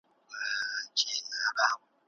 هیڅوک باید د خپل مذهب په خاطر له دندي ونه شړل سي.